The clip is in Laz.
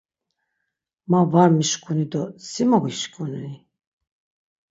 Ma var mişǩinu do si mo gişǩinu?